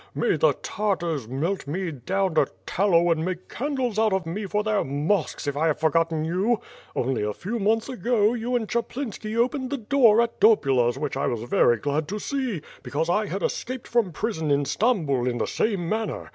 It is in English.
May the Tartars melt me down to tallow and make candles out of me for their mosques if I have for gotten you. Only a few months ago, you and Chaplinski opened the door at Dopula's which I was very glad to see; because I had escaped from prison in Stambtd in the same manner.